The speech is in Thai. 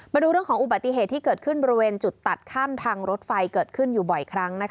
มาดูเรื่องของอุบัติเหตุที่เกิดขึ้นบริเวณจุดตัดข้ามทางรถไฟเกิดขึ้นอยู่บ่อยครั้ง